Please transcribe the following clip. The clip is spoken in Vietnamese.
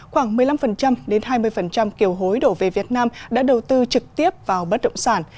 khoảng một mươi năm đến hai mươi kiều hối đổ về việt nam đã đầu tư trực tiếp vào bất động sản